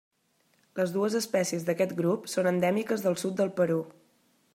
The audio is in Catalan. Les dues espècies d'aquest grup són endèmiques del sud del Perú.